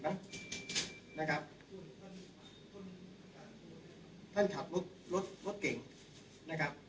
ไหมนะครับส่วนท่านผู้ชายท่านถัดรถรถรถเก่งนะครับ